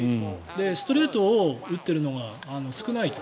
ストレートを打っているのが少ないと。